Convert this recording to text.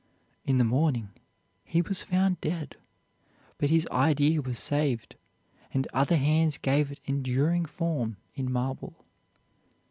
In the morning he was found dead, but his idea was saved, and other hands gave it enduring form in marble.